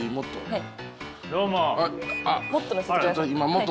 はい。